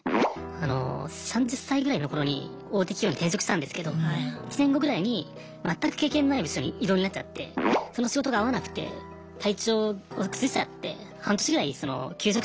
あの３０歳ぐらいの頃に大手企業に転職したんですけど１年後ぐらいに全く経験のない部署に異動になっちゃってその仕事が合わなくて体調を崩しちゃって半年ぐらい休職したんですね。